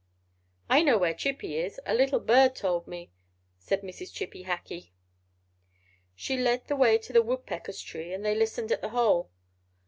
"I know where Chippy is; a little bird told me," said Mrs. Chippy Hackee. She led the way to the woodpecker's tree, and they listened at the hole.